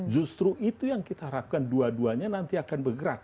justru itu yang kita harapkan dua duanya nanti akan bergerak